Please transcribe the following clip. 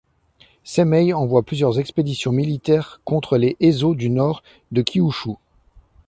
Saimei envoie plusieurs expéditions militaires contre les Ezo du nord de Kyūshū.